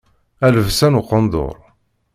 A lebsa n uqendur.